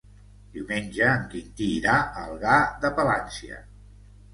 Diumenge en Quintí irà a Algar de Palància.